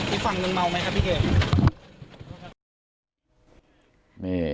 อีกฝั่งนึงเมาไหมครับพี่เกิร์ต